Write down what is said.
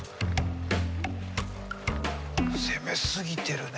攻めすぎてるね